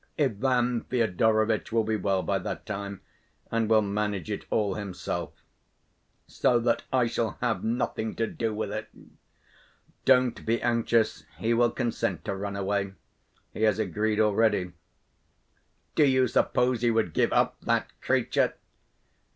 Ivan Fyodorovitch will be well by that time and will manage it all himself, so that I shall have nothing to do with it. Don't be anxious; he will consent to run away. He has agreed already: do you suppose he would give up that creature?